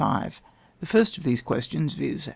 The first of these questions, viz.